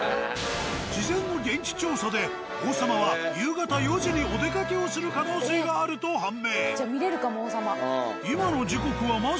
事前の現地調査で王様は夕方４時にお出かけをする可能性があると判明。